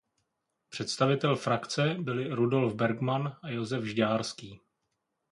Představiteli frakce byli Rudolf Bergman a Josef Žďárský.